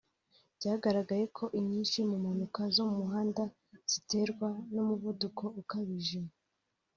Byagaragaye ko inyinshi mu mpanuka zo mu muhanda ziterwa n’umuvuduko ukabije